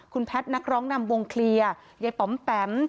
คุณแพทย์นักร้องนำวงเคลียร์ยายป๋อมแปม